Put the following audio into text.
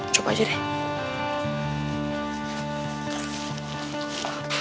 coba aja deh